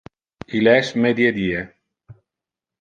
Il es mediedie.